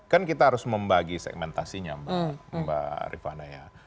kan kita harus membagi segmentasinya mbak rifah naya